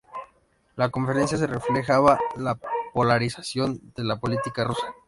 La conferencia reflejaba la polarización de la política rusa.